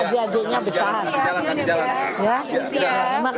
memoriya yang paling diingat dengan almarhum pak